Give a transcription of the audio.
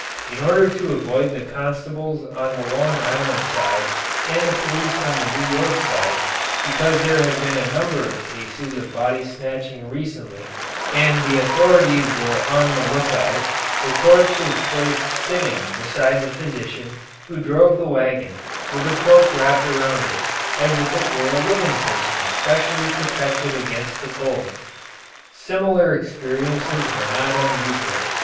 In order to avoid the constables on the Long Island side and the police on the New York side, because there had been a number of cases of body snatching recently and the authorities were on the lookout, the corpse was placed sitting beside the physician who drove the wagon, with a cloak wrapped around it, as if it were a living person specially protected against the cold. Similar experiences were not unusual.